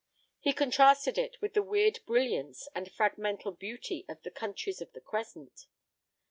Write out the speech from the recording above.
He contrasted it with the weird brilliance and fragmental beauty of the countries of the Crescent.